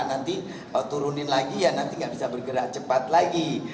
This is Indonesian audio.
nanti turunin lagi ya nanti nggak bisa bergerak cepat lagi